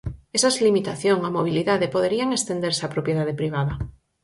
Esas limitación á mobilidade poderían estenderse á propiedade privada.